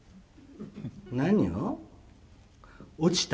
「何を？」。